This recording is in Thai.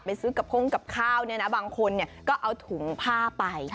ไปซื้อกับข้องกับข้าวบางคนก็เอาถุงผ้าไป